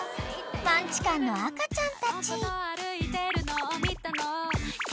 マンチカンの赤ちゃんたち］